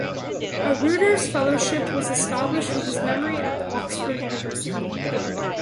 A Reuters fellowship was established in his memory at the Oxford University.